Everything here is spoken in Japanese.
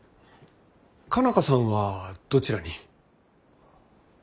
佳奈花さんはどちらに？